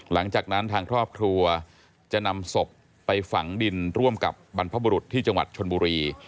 หลังจากนั้นทางครอบครัวจะนำศพไปฝังดินร่วมกับบรรพบุรุษที่จังหวัดชนบุรี